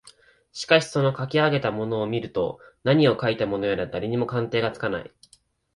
しかしそのかき上げたものを見ると何をかいたものやら誰にも鑑定がつかない